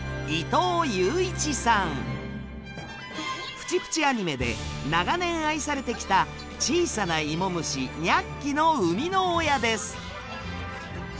「プチプチ・アニメ」で長年愛されてきた小さなイモ虫ニャッキの生みの親です。